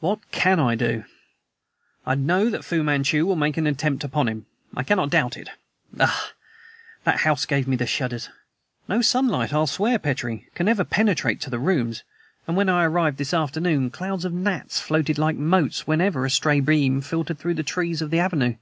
"What CAN I do? I know that Fu Manchu will make an attempt upon him. I cannot doubt it. Ugh! that house gave me the shudders. No sunlight, I'll swear, Petrie, can ever penetrate to the rooms, and when I arrived this afternoon clouds of gnats floated like motes wherever a stray beam filtered through the trees of the avenue.